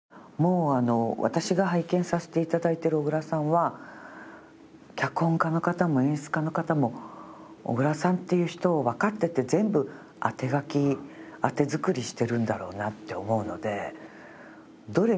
私が拝見させて頂いてる小倉さんは脚本家の方も演出家の方も小倉さんっていう人をわかってて全部当て書き当て作りしてるんだろうなって思うので。